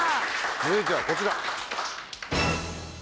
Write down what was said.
続いてはこちら。